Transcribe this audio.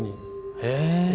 へえ！